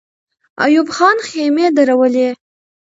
ایوب خان خېمې درولې.